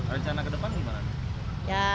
rencana ke depan gimana